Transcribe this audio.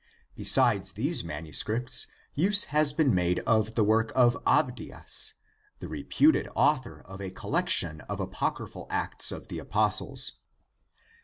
Besides these manuscripts, use has been made of the work of Abdias, the reputed author of a collec tion of apocryphal acts of the Apostles.